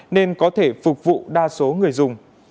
nên có thể phục vụ đa số người dùng